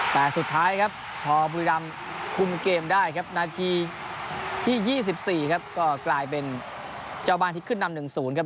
แต่สุดท้ายครับพอบุรีรำคุมเกมได้ครับนาทีที่๒๔ครับก็กลายเป็นเจ้าบ้านที่ขึ้นนำ๑๐ครับ